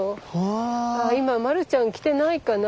今マルちゃん来てないかな。